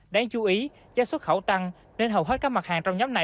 đáng chú ý giá xuất khẩu tăng nên hầu hết các mặt hàng trong nhóm này